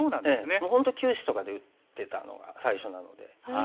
もう本当９子とかで打ってたのが最初なので。